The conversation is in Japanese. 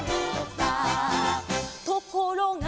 「ところが」